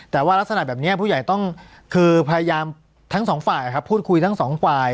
แต่ว่ารักษณะแบบนี้ผู้ใหญ่ต้องคือพยายามทั้งสองฝ่ายพูดคุยทั้งสองฝ่าย